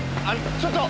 ちょっと！